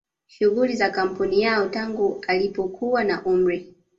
shughuli za kampuni yao tangu alipokuwa na umri